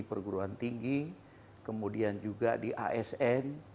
perguruan tinggi kemudian juga di asn